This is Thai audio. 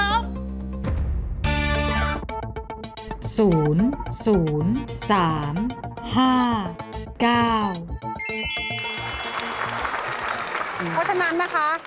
เพราะฉะนั้นนะคะ